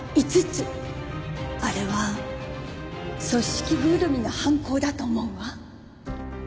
あれは組織ぐるみの犯行だと思うわ。